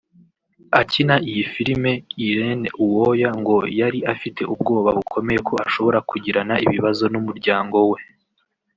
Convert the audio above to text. Akina iyi filime Irene Uwoya ngo yari afite ubwoba bukomeye ko ashobora kugirana ibibazo n’umuryango we